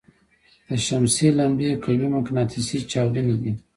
د شمسي لمبې قوي مقناطیسي چاودنې دي.